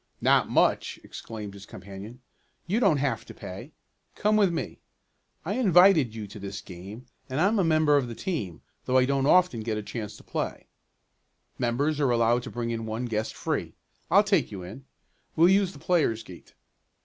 "Not much!" exclaimed his companion. "You don't have to pay. Come with me. I invited you to this game, and I'm a member of the team, though I don't often get a chance to play. Members are allowed to bring in one guest free. I'll take you in. We'll use the players' gate."